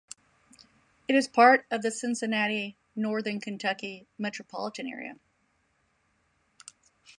It is part of the Cincinnati-Northern Kentucky metropolitan area.